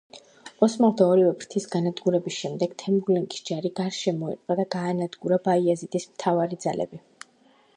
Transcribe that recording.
ოსმალთა ორივე ფრთის განადგურების შემდეგ თემურლენგის ჯარი გარს შემოერტყა და გაანადგურა ბაიაზიდის მთავარი ძალები.